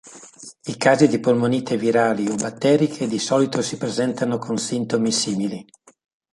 I casi di polmonite virali o batteriche di solito si presentano con sintomi simili.